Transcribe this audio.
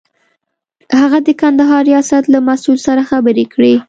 هغه د کندهار ریاست له مسئول سره خبرې کړې.